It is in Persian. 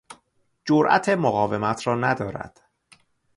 جرات مقاومت را ندارد.